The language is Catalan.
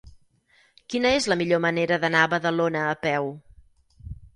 Quina és la millor manera d'anar a Badalona a peu?